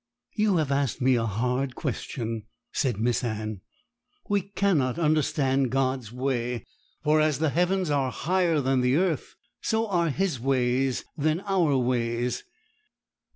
'You have asked me a hard question,' said Miss Anne; 'we cannot understand God's way, for "as the heavens are higher than the earth, so are His ways than our ways."